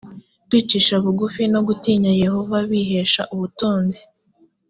kwicisha bugufi no gutinya yehova bihesha ubutunzi.